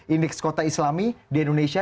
indeks kota islami di indonesia